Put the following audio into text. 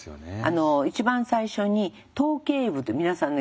あの一番最初に頭頸部って皆さんね